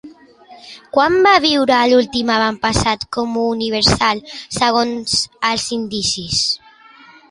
Quan va viure l'últim avantpassat comú universal segons els indicis?